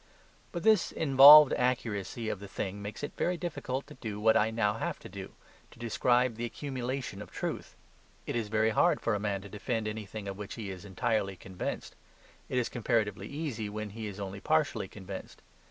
But this involved accuracy of the thing makes it very difficult to do what I now have to do, to describe this accumulation of truth. It is very hard for a man to defend anything of which he is entirely convinced. It is comparatively easy when he is only partially convinced.